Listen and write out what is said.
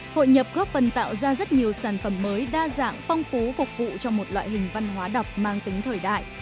hội nhập góp phần tạo ra rất nhiều sản phẩm mới đa dạng phong phú phục vụ cho một loại hình văn hóa đọc mang tính thời đại